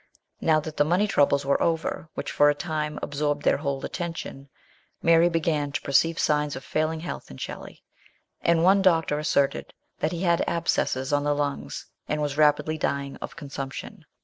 Now that the money troubles were over, which for a time absorbed their whole attention, Mary began to perceive signs of failing health in Shelley, and one doctor asserted that he had abscesses ou the lungs, and was rapidly dying of consumption.